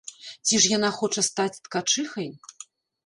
Ці ж яна хоча стаць ткачыхай?